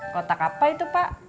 kotak apa itu pak